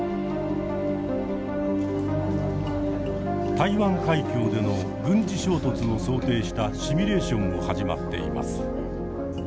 台湾海峡での軍事衝突を想定したシミュレーションも始まっています。